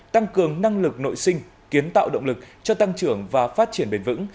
tăng cường năng lực nội sinh kiến tạo động lực cho tăng trưởng và phát triển bền vững